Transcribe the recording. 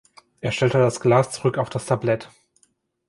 Er stellte das Glas zurück auf das Tablett.